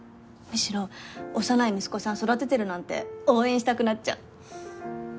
むしろ幼い息子さん育ててるなんて応援したくなっちゃう！